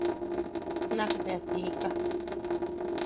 Nak bea siika.